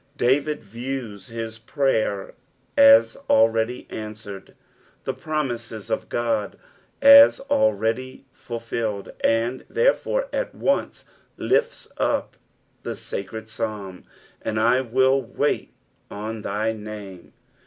David views hia prayer as already answered, the promises of God as already fulGlJed, and therefore at once lifts up tbe sacred Psalm. "And I will wait on tky name."